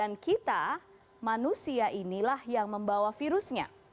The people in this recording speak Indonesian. dan kita manusia inilah yang membawa virusnya